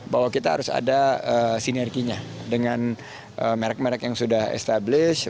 bahwa kita harus ada sinerginya dengan merek merek yang sudah established